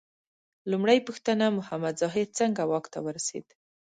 لومړۍ پوښتنه: محمد ظاهر څنګه واک ته ورسېد؟